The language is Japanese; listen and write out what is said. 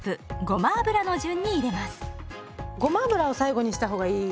ごま油を最後にした方がいい。